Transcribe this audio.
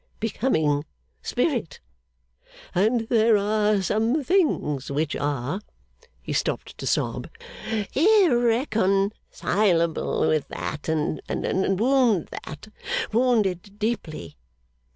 Becoming Spirit. And there are some things which are,' he stopped to sob, 'irreconcilable with that, and wound that wound it deeply.